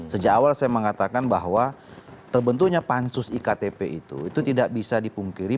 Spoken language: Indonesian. sejak awal saya mengatakan bahwa terbentuknya pansus iktp itu itu tidak bisa dipungkiri